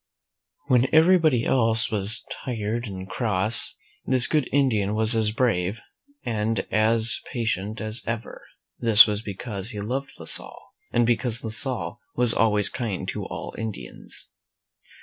When everybody else was tired and cross, this good Indian was as brave and as patient as ever. This was because he loved La Salle, and because La Salle was always kind to all Indians.